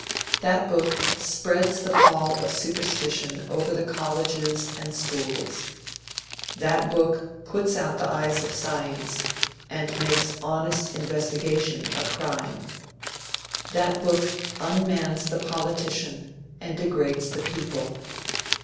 That book spreads the pall of superstition over the colleges and schools. That book puts out the eyes of science, and makes honest investigation a crime. That book unmans the politician and degrades the people.